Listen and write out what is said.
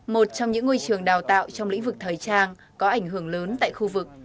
một trong những ngôi trường đào tạo trong lĩnh vực thời trang có ảnh hưởng lớn tại khu vực